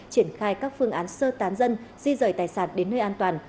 triển khai các phương án sơ tán dân di rời tài sản đến nơi an toàn